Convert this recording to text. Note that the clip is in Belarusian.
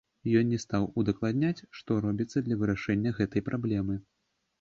Ён не стаў удакладняць, што робіцца для вырашэння гэтай праблемы.